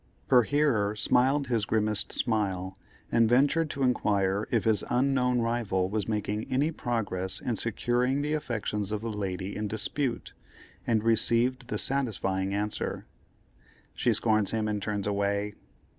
Her hearer smiled his grimmest smile, and ventured to inquire if his unknown rival was making any progress in securing the affections of the lady in dispute, and received the satisfying answer, "She scorns him and turns away."